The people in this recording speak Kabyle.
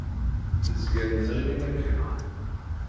Zgan ttɣimin akken.